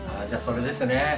じゃあそれですね。